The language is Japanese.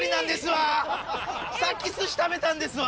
さっき寿司食べたんですわ。